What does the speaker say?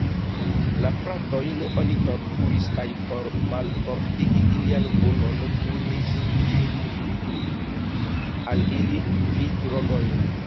La fratojn oni torturis kaj, por malfortigi ilian volon, trudis al ili fidrogojn.